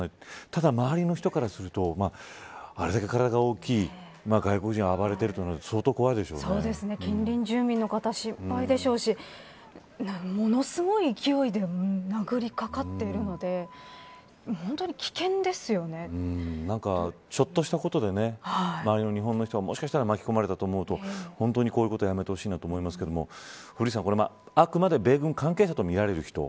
ただ周りの人からするとあれだけ体が大きい外国人が暴れているというのは近隣住民の方は心配でしょうしものすごい勢いで殴りかかっているのでちょっとしたことで周りの日本の人が巻き込まれたかと思うと本当にこういうことはやめてほしいと思いますけども古市さん、これはあくまで米軍関係者とみられる人。